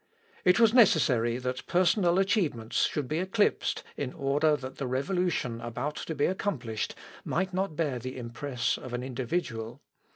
It was necessary that personal achievements should be eclipsed in order that the revolution about to be accomplished might not bear the impress of an individual.